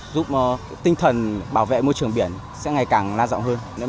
giúp tinh thần bảo vệ môi trường biển sẽ ngày càng lan rộng hơn